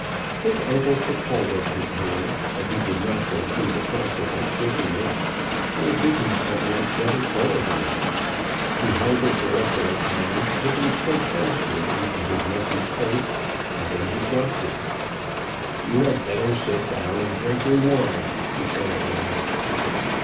His uncle took hold of his hand, but he did not go through the process of shaking it, nor did he at once let it go again. He held it there for a time, looking stedfastly into his nephew's face, and then he dropped it. "You had better sit down and drink your wine," he said at last.